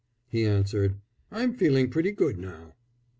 he answered, "I'm feeling pretty good now."